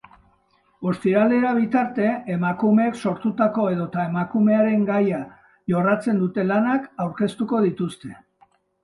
Ostiralera bitarte, emakumeek sortutako edota emakumearen gaia jorratzen duten lanak aurkeztuko dituzte.